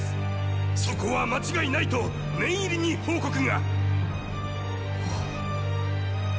そこは間違いないと念入りに報告がっ！